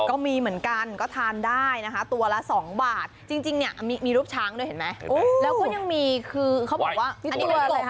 ก็มีเหมือนกันก็ทานได้นะคะตัวละ๒บาทจริงเนี่ยมีรูปช้างด้วยเห็นไหมแล้วก็ยังมีคือเขาบอกว่าอันนี้เป็นกลม